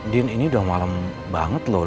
din ini udah malam banget loh